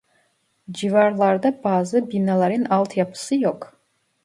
Civarlarda bazı binaların altyapısı yok